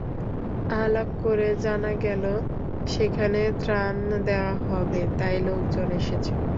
আলাপ করে জানা গেল, সেখানে ত্রাণ দেওয়া হবে, তাই লোকজন এসেছেন।